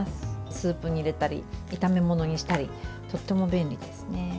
スープに入れたり炒め物にしたりとても便利ですね。